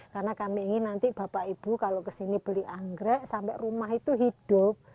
karena kami ingin nanti bapak ibu kalau ke sini beli anggrek sampai rumah itu hidup